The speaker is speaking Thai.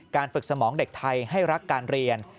ฝึกสมองเด็กไทยให้รักการเรียน